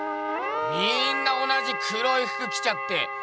みんな同じ黒いふく着ちゃって。